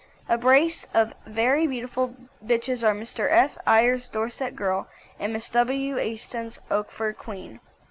A brace of very beautiful bitches are Mr. F. Eyer's Dorset Girl and Miss W. Easton's Okeford Queen.